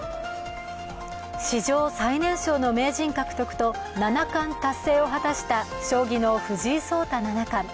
史上最年少の名人獲得と七冠達成を果たした将棋の藤井聡太七冠。